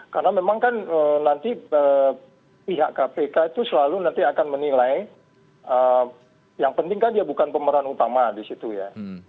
karena memang kan nanti pihak kpk itu selalu nanti akan menilai yang penting kan dia bukan pemeran utama di situ ya